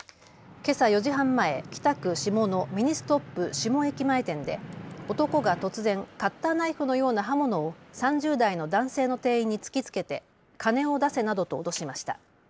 けさ４時半前、北区志茂のミニストップ志茂駅前店で男が突然カッターナイフのような刃物を３０代の男性の店員に突きつけて金を出せなどと脅しました。